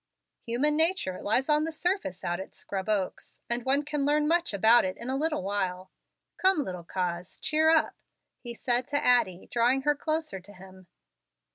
Human nature lies on the surface out at Scrub Oaks, and one can learn much about it in a little while. Come, little coz, cheer up," he said to Addie, drawing her closer to him.